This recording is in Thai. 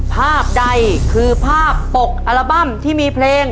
ภาพใดคือภาพปกอัลบั้มที่มีเพลง